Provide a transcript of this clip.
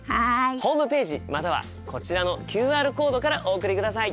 ホームページまたはこちらのＱＲコードからお送りください。